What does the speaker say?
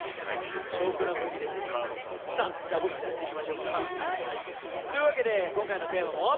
「少クラ」向きですさあじゃあ僕たちあっち行きましょうか。というわけで今回のテーマも。